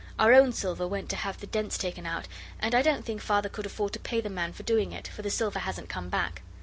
Our own silver went to have the dents taken out; and I don't think Father could afford to pay the man for doing it, for the silver hasn't come back.